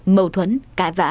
mâu thuẫn cãi vã